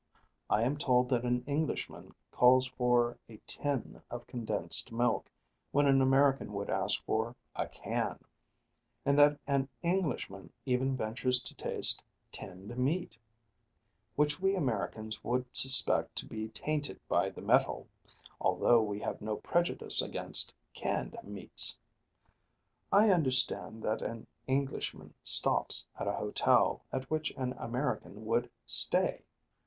I am told that an Englishman calls for a tin of condensed milk, when an American would ask for a can, and that an Englishman even ventures to taste tinned meat, which we Americans would suspect to be tainted by the metal, although we have no prejudice against canned meats. I understand that an Englishman stops at a hotel at which an American would stay.